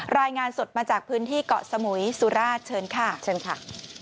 รายงานสดมาจากพื้นที่เกาะสมุยสุราชเชิญค่ะเชิญค่ะ